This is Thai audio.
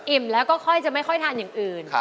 แล้วก็ค่อยจะไม่ค่อยทานอย่างอื่น